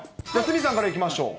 鷲見さんからいきましょう。